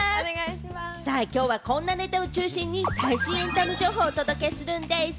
きょうはこんなネタを中心に最新エンタメ情報をお届けするんでぃす！